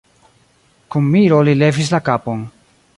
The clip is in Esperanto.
Kun miro li levis la kapon.